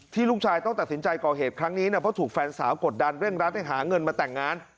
ลูกชายต้องตัดสินใจก่อเหตุครั้งนี้เพราะถูกแฟนสาวกดดันเร่งรัดให้หาเงินมาแต่งงาน